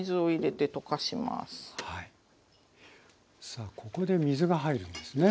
さあここで水が入るんですね。